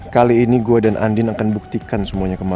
kali ini gue dan andin akan buktikan semuanya kemana